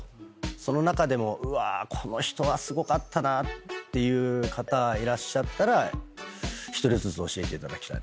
その中でもうわこの人はすごかったなっていう方いらっしゃったら１人ずつ教えていただきたいなと。